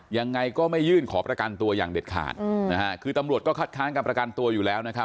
ยังไงก็ไม่ยื่นขอประกันตัวอย่างเด็ดขาดนะฮะคือตำรวจก็คัดค้างการประกันตัวอยู่แล้วนะครับ